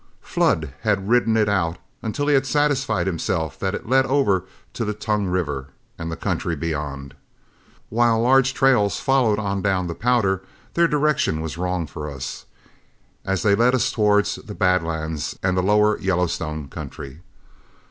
Flood had ridden it out until he had satisfied himself that it led over to the Tongue River and the country beyond. While large trails followed on down the Powder, their direction was wrong for us, as they led towards the Bad Lands and the lower Yellowstone country.